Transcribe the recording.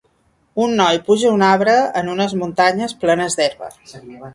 Un noi puja a un arbre en unes muntanyes plenes d'herba